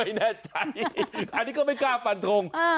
ไม่แน่ใจอันนี้ก็ไม่กล้าฟันทง